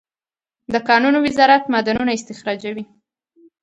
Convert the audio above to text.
د کانونو وزارت معدنونه استخراجوي